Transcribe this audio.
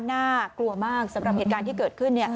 น่ากลัวมากสำหรับเหตุการณ์ที่เกิดขึ้น